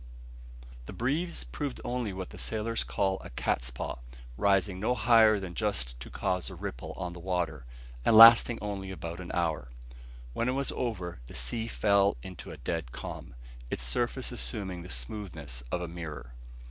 The breeze proved only what sailors call a catspaw, rising no higher than just to cause a ripple on the water, and lasting only about an hour. When it was over, the sea again fell into a dead calm; its surface assuming the smoothness of a mirror.